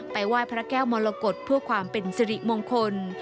ไหว้พระแก้วมรกฏเพื่อความเป็นสิริมงคล